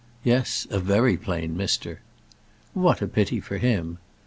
"Yes, a very plain Mister." "What a pity for him.